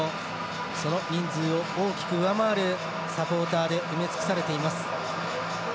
その人数を大きく上回るサポーターで埋め尽くされています。